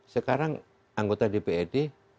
sekarang anggota dprd